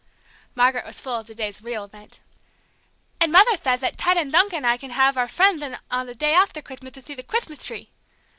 Margaret was full of the day's real event. "And Mother theth that Ted and Dunc and I can have our friendth in on the day after Chrithmath to thee the Chrithmath tree!"